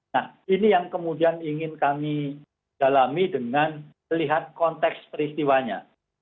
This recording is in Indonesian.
nah ini yang kemudian ingin kami dalami dengan melihat konteks peristiwanya